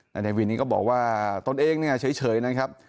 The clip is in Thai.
ตอนนี้ก็บอกว่าตัวเองเฉยนะครับ